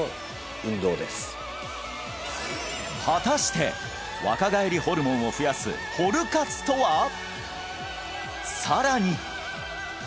果たして若返りホルモンを増やす「ホル活」とは？